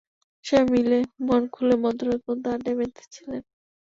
সবাই মিলে মন খুলে মধ্যরাত পর্যন্ত আড্ডায় মেতে ছিলেন।